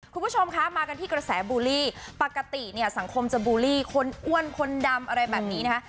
คุณผู้ชมคะมากันที่กระแสบูลลี่ปกติเนี่ยสังคมจะบูลลี่คนอ้วนคนดำอะไรแบบนี้นะคะ